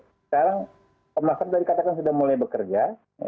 sekarang pemasaran sudah mulai bekerja